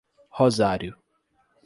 Rosário